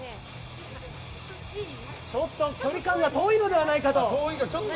距離感が遠いのではないかと。